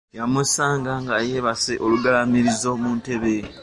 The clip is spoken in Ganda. Yamusanga yeebase olugalaamirizo mu ntebe.